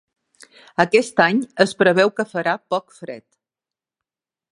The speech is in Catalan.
Aquest any es preveu que farà poc fred.